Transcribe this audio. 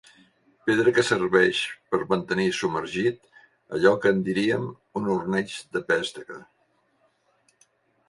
Pedra que serveix per mantenir submergit allò que en diríem un ormeig de pesca.